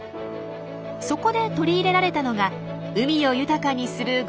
そこで取り入れられたのが海を豊かにする護岸だったんです。